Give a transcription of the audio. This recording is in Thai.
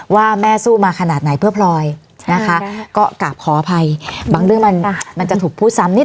ว่าแม่สู้มาขนาดไหนเพื่อพลอยนะคะก็กลับขออภัยบางเรื่องมันมันจะถูกพูดซ้ำนิด